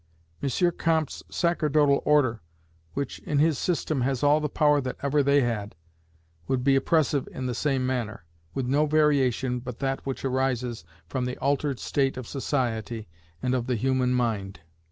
M. Comte's sacerdotal order, which, in his system, has all the power that ever they had, would be oppressive in the same manner; with no variation but that which arises from the altered state of society and of the human mind.